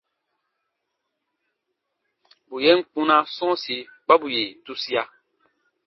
Bù yen kpunaa sɔ̃ɔsi kpa bù yè tusia.